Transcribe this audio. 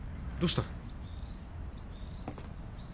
どうした？